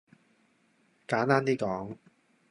簡單啲講